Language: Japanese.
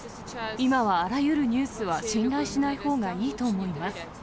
今はあらゆるニュースは信頼しないほうがいいと思います。